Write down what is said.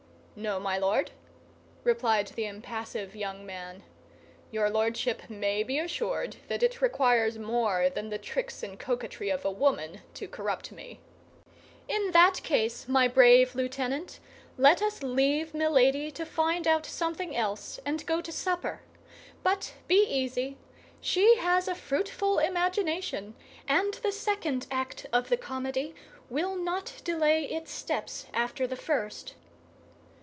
"No, my Lord," replied the impassive young man; "your Lordship may be assured that it requires more than the tricks and coquetry of a woman to corrupt me." "In that case, my brave lieutenant, let us leave Milady to find out something else, and go to supper; but be easy! She has a fruitful imagination, and the second act of the comedy will not delay its steps after the first."